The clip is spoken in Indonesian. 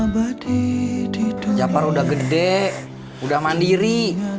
bang jafar udah gede udah mandiri